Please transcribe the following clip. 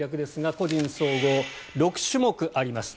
個人総合、６種目あります。